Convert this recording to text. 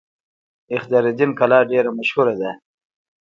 اختیار الدین کلا ډیره مشهوره ده